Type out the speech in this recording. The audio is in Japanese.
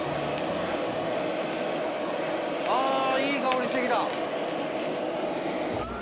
あいい香りしてきた！